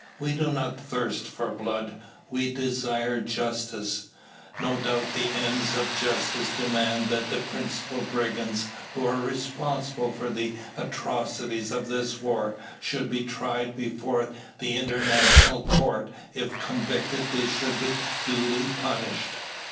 We do not thirst for blood. We desire justice. No doubt the ends of justice demand that the principal brigands who are responsible for the atrocities of this war should be tried before an international court If convicted they should be duly punished.